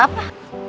siap capt keidar